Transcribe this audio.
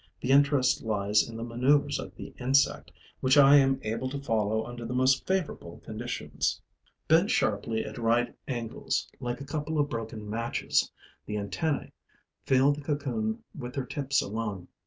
The interest lies in the maneuvers of the insect, which I am able to follow under the most favorable conditions. Bent sharply at right angles, like a couple of broken matches, the antennae feel the cocoon with their tips alone.